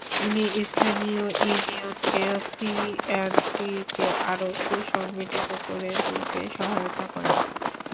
তিনি স্থানীয় ইউনিয়নকে সিএনটিকে আরো সুসংগঠিত করে তুলতে সহায়তা করেন।